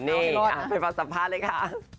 โอ้ไม่รอดอะไปฟังสัมภาษณ์เลยค่ะ